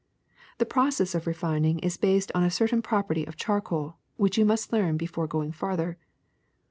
*^The process of refining is based on a certain prop erty of charcoal which you must learn before going farther.